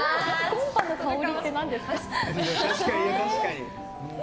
コンパの香りって何ですか。